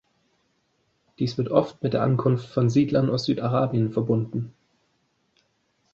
Dies wird oft mit der Ankunft von Siedlern aus Südarabien verbunden.